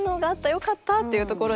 よかった！」っていうところでまずは。